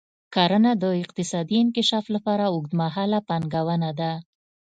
کرنه د اقتصادي انکشاف لپاره اوږدمهاله پانګونه ده.